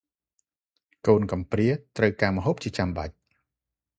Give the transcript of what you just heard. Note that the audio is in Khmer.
កូនកំព្រា ត្រូវការម្ហូបជាចាំបាច់ ។